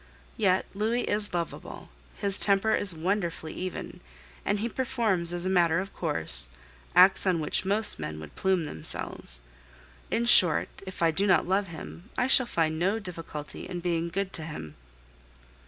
Yet Louis is lovable; his temper is wonderfully even, and he performs, as a matter of course, acts on which most men would plume themselves. In short, if I do not love him, I shall find no difficulty in being good to him.